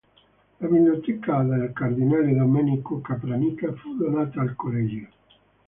La biblioteca del Cardinale Domenico Capranica fu donata al Collegio.